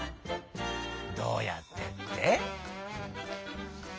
どうやってって？